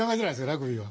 ラグビーは。